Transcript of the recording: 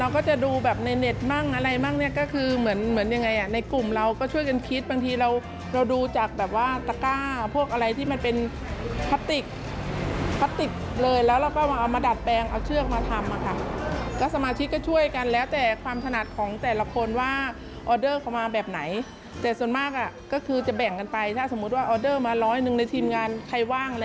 ก็จะแบ่งกันไปคนละ๓๔ใบอะไรอย่างนี้